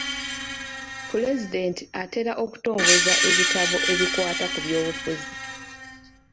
Pulezidenti atera okutongoza ebitabo ebikwata ku by'obufuzi.